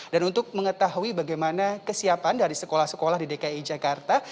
dan untuk mengetahui bagaimana kesiapan dari sekolah sekolah di dki jakarta